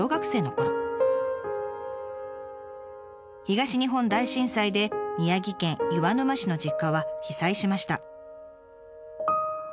東日本大震災で宮城県岩沼市の実家は被災しました。